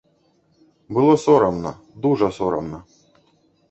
Было сорамна, дужа сорамна.